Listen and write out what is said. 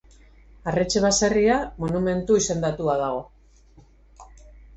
Arretxe baserria monumentu izendatua dago.